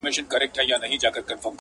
• لکه زرکه چي پر لاره سي روانه -